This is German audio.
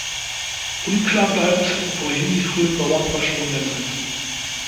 Unklar bleibt wohin die frühen Bauern verschwunden sind.